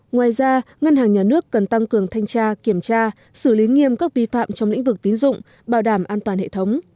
ngoài ra ngân hàng nhà nước cần tăng cường thanh tra kiểm tra xử lý nghiêm các vi phạm trong lĩnh vực tín dụng bảo đảm an toàn hệ thống